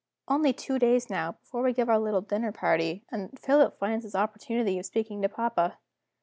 Only two days now, before we give our little dinner party, and Philip finds his opportunity of speaking to papa.